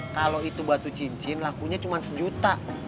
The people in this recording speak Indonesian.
kalo itu batu cincin lakunya cuman sejuta